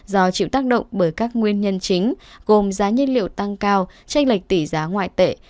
do chịu tác động bởi các nguyên nhân chính gồm giá nhiên liệu tăng cao tranh lệch tỷ giá ngoại tệ